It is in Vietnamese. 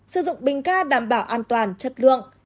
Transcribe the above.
sử dụng bình ca đảm bảo an toàn chất lượng